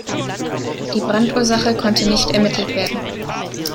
Die Brandursache konnte nicht ermittelt werden.